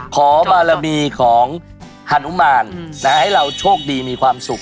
ขอบารมีของฮานุมานให้เราโชคดีมีความสุข